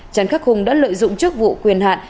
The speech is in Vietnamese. trần khắc hùng đã lợi dụng chức vụ quyền hạn